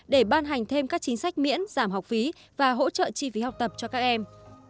để ban hành thêm các chính sách miễn giảm học phí và hỗ trợ chi phí học tập cho các em